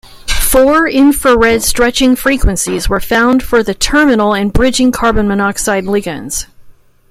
Four infrared stretching frequencies were found for the terminal and bridging carbon monoxide ligands.